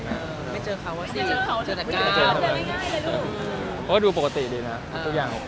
ไม่เจอเขาสิเพราะว่าดูปกติดีนะทุกอย่างโอเค